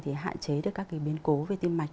thì hạn chế được các cái biến cố về tim mạch